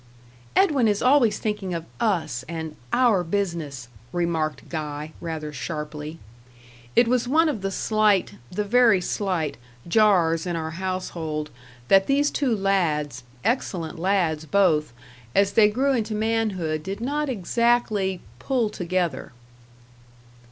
"Edwin is always thinking of 'us,' and 'our business,'" remarked Guy, rather sharply. It was one of the slight the very slight jars in our household, that these two lads, excellent lads both, as they grew into manhood did not exactly "pull together."